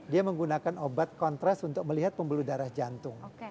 dia menggunakan obat kontras untuk melihat pembuluh darah jantung